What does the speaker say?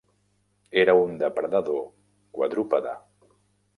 Era un depredador quadrúpede.